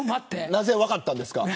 なぜ分かったんですか。